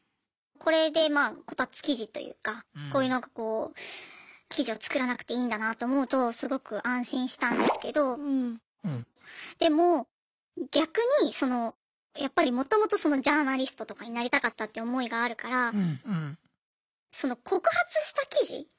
これでまあこたつ記事というかこういうなんかこう記事を作らなくていいんだなと思うとすごく安心したんですけどでも逆にそのやっぱりもともとジャーナリストとかになりたかったって思いがあるからその告発した記事？